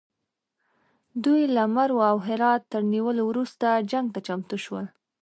دوی له مرو او هرات تر نیولو وروسته جنګ ته چمتو شول.